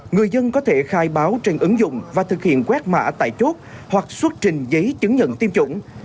người dân có thể khai báo trên ứng dụng và thực hiện quét mã tại chốt hoặc xuất trình giấy chứng nhận tiêm chủng